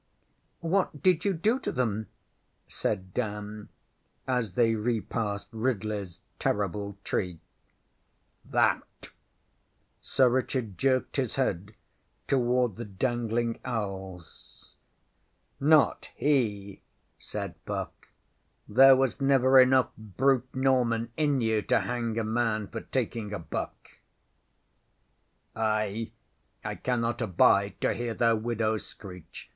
ŌĆśWhat did you do to them? ŌĆÖ said Dan, as they repassed RidleyŌĆÖs terrible tree. ŌĆśThat! ŌĆÖ Sir Richard jerked his head toward the dangling owls. ŌĆśNot he! ŌĆÖ said Puck. ŌĆśThere was never enough brute Norman in you to hang a man for taking a buck. ŌĆÖ ŌĆśI I cannot abide to hear their widows screech.